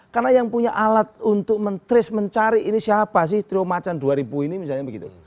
karena yang punya alat untuk mencari ini siapa sih trio macan dua ribu ini misalnya begitu